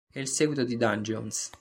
È il seguito di "Dungeons".